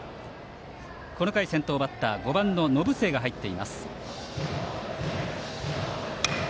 この回先頭バッター５番の延末が入っています。